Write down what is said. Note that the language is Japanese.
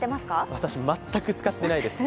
私、全く使ってないです。